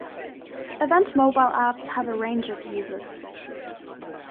Event mobile apps have a range of uses.